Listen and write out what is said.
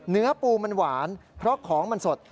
เนื้อปูมันหวานเพราะของมันสด